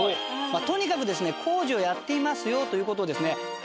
とにかくですね工事をやっていますよという事をですね